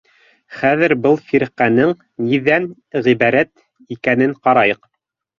Хәҙер был фирҡәнең ниҙән ғибәрәт икәнен ҡарайыҡ.